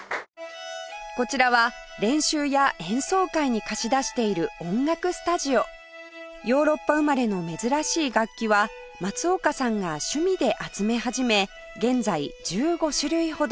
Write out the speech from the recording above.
こちらは練習や演奏会に貸し出している音楽スタジオヨーロッパ生まれの珍しい楽器は松岡さんが趣味で集め始め現在１５種類ほど